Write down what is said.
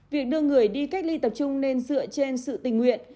việc đưa người đi cách ly tập trung nên dựa trên sự tình nguyện